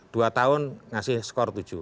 dua tahun ngasih skor tujuh